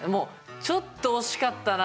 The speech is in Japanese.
ちょっと惜しかったな。